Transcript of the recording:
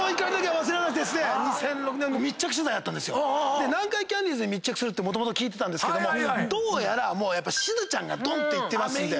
で南海キャンディーズに密着するってもともと聞いてたんですけどもどうやらしずちゃんがどんっていってますんで。